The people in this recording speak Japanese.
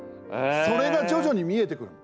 それが徐々に見えてくるの。